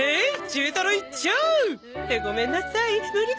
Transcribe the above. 中トロ一丁！ってごめんなさい無理です。